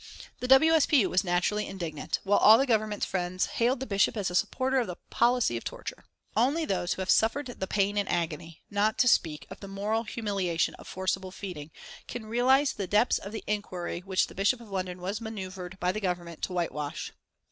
The W. S. P. U. was naturally indignant, while all the Government's friends hailed the Bishop as a supporter of the policy of torture. Only those who have suffered the pain and agony, not to speak of the moral humiliation of forcible feeding can realise the depths of the iniquity which the Bishop of London was manoeuvred by the Government to whitewash.